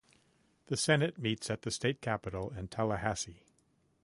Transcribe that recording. The Senate meets at the State Capitol in Tallahassee.